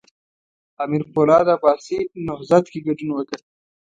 امیر پولاد عباسي نهضت کې ګډون وکړ.